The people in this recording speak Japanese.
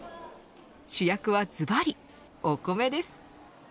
主役は、ずばりお米です。